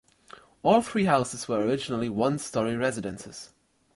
All three houses were originally one story residences.